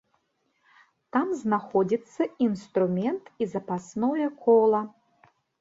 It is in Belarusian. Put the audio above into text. Там знаходзяцца інструмент і запасное кола.